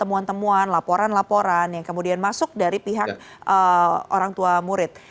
untuk orang tua murid